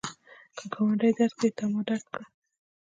که ګاونډی درد کوي، تا مه درد کړه